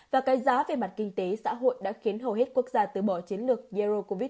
và cái giá về mặt kinh tế xã hội đã khiến hầu hết quốc gia từ bỏ chiến lược euro covid một mươi chín